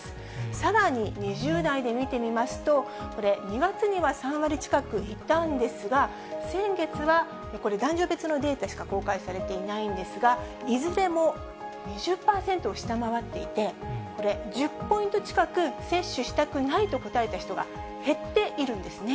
さらに２０代で見てみますと、２月には３割近くいたんですが、先月はこれ、男女別のデータしか公開されていないんですが、いずれも２０％を下回っていて、これ、１０ポイント近く接種したくないと答えた人が減っているんですね。